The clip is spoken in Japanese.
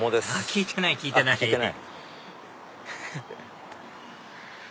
聞いてない聞いてないフフっ。